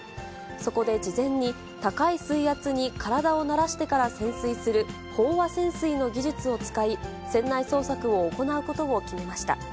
そこで事前に高い水圧に体を慣らしてから潜水する飽和潜水の技術を使い、船内捜索を行うことを決めました。